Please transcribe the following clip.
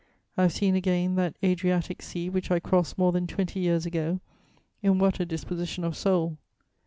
I have seen again that Adriatic Sea which I crossed more than twenty years ago, in what a disposition of soul!